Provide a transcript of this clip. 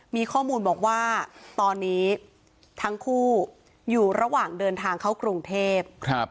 มีข้อมูลบอกว่าตอนนี้ทั้งคู่อยู่ระหว่างเดินทางเข้ากรุงเทพ